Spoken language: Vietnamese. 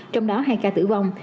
trong đó hai ca tử vong